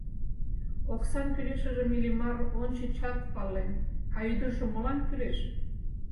Оксан кӱлешыжым Иллимар ончычат пален, а ӱдыржӧ молан кӱлеш?